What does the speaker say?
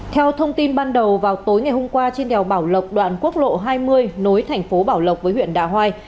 theo thông tin ban đầu vào tối ngày hôm qua trên đèo bảo lộc đoạn quốc lộ hai mươi nối thành phố bảo lộc với huyện đạ hoai